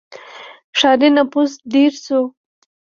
• ښاري نفوس ډېر شو.